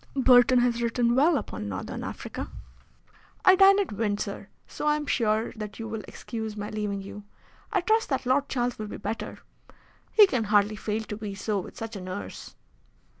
Burton has written well upon Northern Africa. I dine at Windsor, so I am sure that you will excuse my leaving you. I trust that Lord Charles will be better. He can hardly fail to be so with such a nurse."